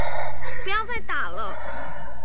不要再打了